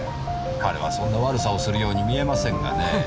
彼はそんな悪さをするように見えませんがねぇ。